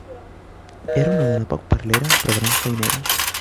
Era una dona poc parlera però gran feinera.